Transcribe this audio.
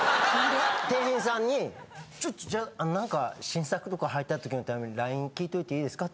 店員さんにちょっとじゃあ何か新作とか入った時の為にＬＩＮＥ聞いといていいですか？